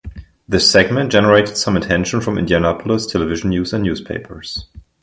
This segment generated some attention from Indianapolis television news and newspapers.